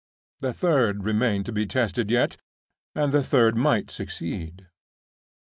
The third remained to be tested yet; and the third might succeed.